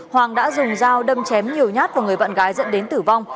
hoàng đã dùng dao đâm chém nhiều nhát vào người bạn gái dẫn đến tử vong